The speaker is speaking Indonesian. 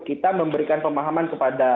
kita memberikan pemahaman kepada